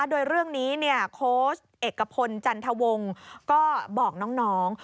โดยเรื่องนี้โค้ชเอกพลจันทวงก็บอกน้อง